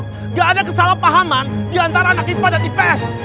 nggak ada kesalahpahaman diantara anak ipa dan ips